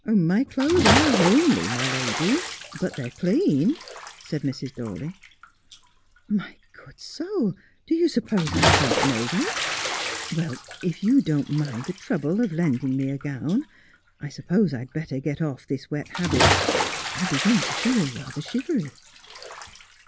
' My clothes are homely, my lady, but they're clean,' said Mrs. Dawley ' My good soul, do you suppose I don't know that 1 "Well, if you don't mind the trouble of lending me a gown, I suppose I'd better get off this wet habit. I begin to feel rather shivery.'